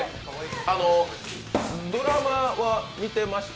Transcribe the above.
あの、ドラマは見てました？